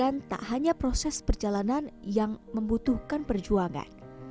tak hanya proses perjalanan yang membutuhkan perjuangan